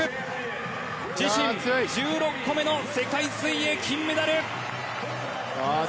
自身１６個目の世界水泳金メダル！